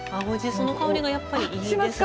その香りがやっぱりいいですね。